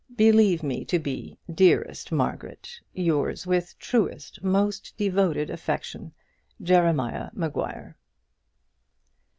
Believe me to be, dearest Margaret, Yours, with truest, Most devoted affection, JEREH. MAGUIRE.